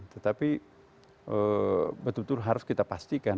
tetapi betul betul harus kita pastikan